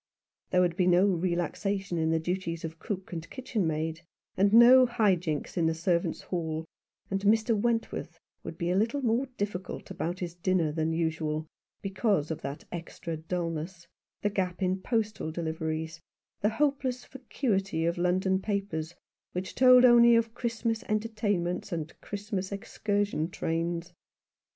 There would be no relaxation in the duties of cook and kitchen maid, and no high jinks in the servants' hall ; and Mr. Wentworth would be a little more difficult about his dinner than usual because of that extra dulness, the gap in postal deliveries, the hopeless vacuity of London papers which told only of Christmas entertainments and Christmas excursion trains.